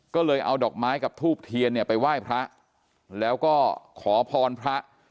ก็เลยเอาดอกไม้กับทูบเทียนเนี่ยไปไหว้พระแล้วก็ขอพรพระ